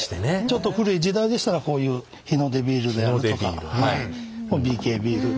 ちょっと古い時代でしたらこういうヒノデビールであるとかＢＫビール。